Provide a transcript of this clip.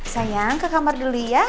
sayang ke kamar dulu ya